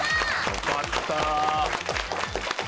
よかった。